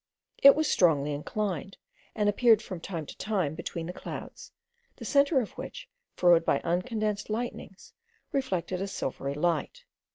It was strongly inclined, and appeared from time to time between the clouds, the centre of which, furrowed by uncondensed lightnings, reflected a silvery light.